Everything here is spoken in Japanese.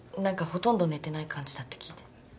何かほとんど寝てない感じだって聞いて。